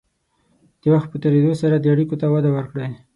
د وخت په تېرېدو سره دې اړیکو ته وده ورکړئ.